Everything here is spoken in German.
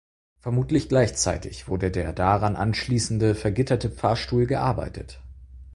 Vermutlich gleichzeitig wurde der daran anschließende vergitterte Pfarrstuhl gearbeitet.